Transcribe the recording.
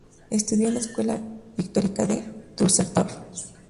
Estudió en la Escuela pictórica de Düsseldorf.